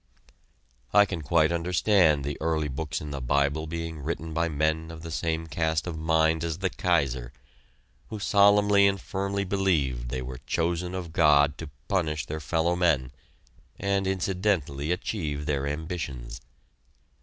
I can quite understand the early books in the Bible being written by men of the same cast of mind as the Kaiser, who solemnly and firmly believed they were chosen of God to punish their fellow men, and incidentally achieve their ambitions.